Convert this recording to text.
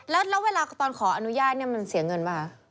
แล้วเวลาตอนขออนุญาตมันเสียเงินไหม